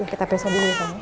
kita besok dulu ya kamu